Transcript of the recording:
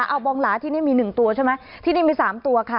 เอาบองหลาที่นี่มี๑ตัวใช่ไหมที่นี่มี๓ตัวค่ะ